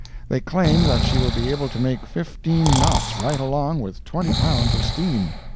They claim that she will be able to make fifteen knots right along with twenty pounds of steam.